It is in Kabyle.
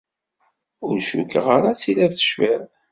Ur cukkeɣ ara ad tiliḍ tecfiḍ.